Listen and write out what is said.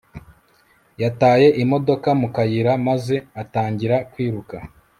yataye imodoka mu kayira maze atangira kwiruka